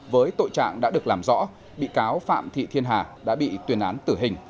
với tội trạng đã được làm rõ bị cáo phạm thị thiên hà đã bị tuyên án tử hình